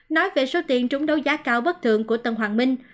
nói về số tiền chúng đấu giá cao bất thường của tân hoàng minh